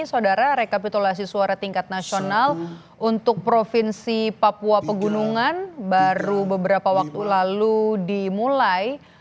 saudara rekapitulasi suara tingkat nasional untuk provinsi papua pegunungan baru beberapa waktu lalu dimulai